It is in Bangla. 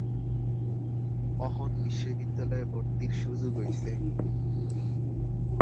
অহন বিশ্ববিদ্যালয়ে ভর্তির সুযোগ অইছে।